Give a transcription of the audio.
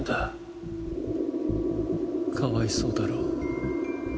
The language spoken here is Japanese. かわいそうだろ？